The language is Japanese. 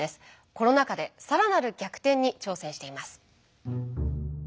コロナ禍でさらなる逆転に挑戦しています。